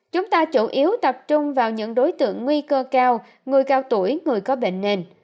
chúng ta chủ yếu tập trung vào những đối tượng nguy cơ cao người cao tuổi người có bệnh nền